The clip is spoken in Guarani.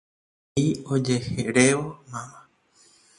He'i ojerévo mama.